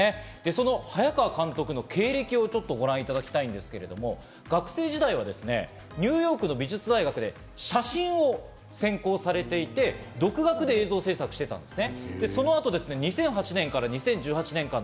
その早川監督の経歴をちょっとご覧いただきたいんですが、学生時代はニューヨークの美術大学で写真を専攻されていて、独学で映像制作をしていたんです。